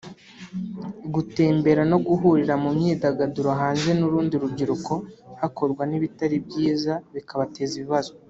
gutembera no guhurira mu myidagaduro hanze n’urundi rubyiruko hakorwa n’ibitari byiza bikabateza ibibazo